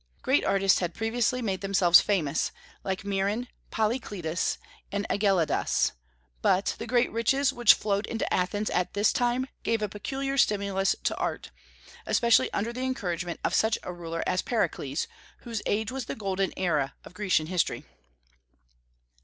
Great artists had previously made themselves famous, like Miron, Polycletus, and Ageladas; but the great riches which flowed into Athens at this time gave a peculiar stimulus to art, especially under the encouragement of such a ruler as Pericles, whose age was the golden era of Grecian history.